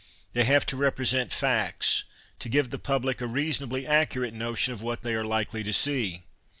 Tiicy have to represent facts, to give the public a reasonably accurate notion of what they are likely to see.